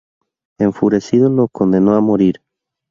Enfurecido, lo condenó a morir.